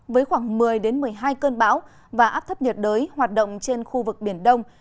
với khoảng một mươi một mươi hai cơn bão và áp thấp nhiệt đới hoạt động trên khu vực biển đông